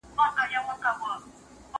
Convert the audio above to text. که وخت وي، وخت نيسم؟